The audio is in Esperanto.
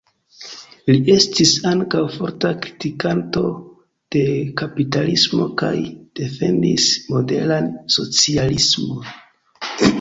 Li estis ankaŭ forta kritikanto de kapitalismo kaj defendis moderan socialismon.